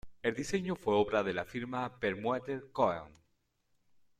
El diseño fue obra de la firma "Pemueller-Cohen".